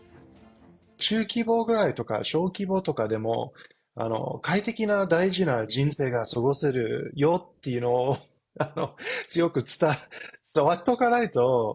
中規模ぐらいとか、小規模とかでも、快適な大事な人生が過ごせるよっていうのを強く伝えておかないと。